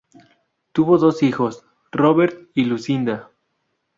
Tuvo dos hijos, Robert y Lucinda.